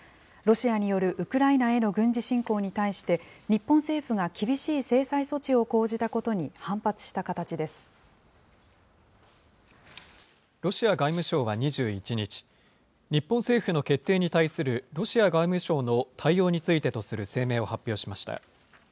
ロシアによるウクライナへの軍事侵攻に対して、日本政府が厳しい制裁措置を講じたことに反発したロシア外務省は２１日、日本政府の決定に対するロシア外務省の対応についてとする声明を発表しました。